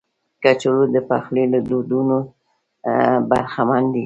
کچالو د پخلي له دودونو برخمن دي